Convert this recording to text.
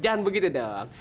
jangan begitu dong